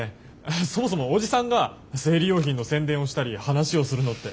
そもそもおじさんが生理用品の宣伝をしたり話をするのって。